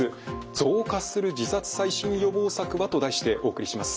増加する自殺最新予防策は？と題してお送りします。